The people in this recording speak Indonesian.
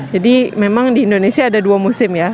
jadi memang di indonesia ada dua musim ya